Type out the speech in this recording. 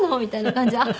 みたいな感じ。